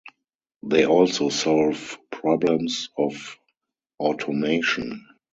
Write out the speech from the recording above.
They also solve problems of automation.